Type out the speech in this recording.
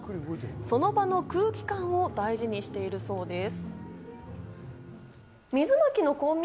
その場の空気感を大事にしているそうです。